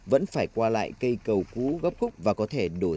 vẫn phải qua lại cây cầu cũ gốc khúc và có thể đổ sập bất cứ lúc nào